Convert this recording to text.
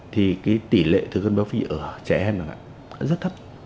tỷ lệ thừa cân béo phì ở trẻ em là rất thấp